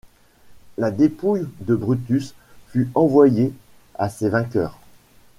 La dépouille de Brutus fut envoyée à ses vainqueurs.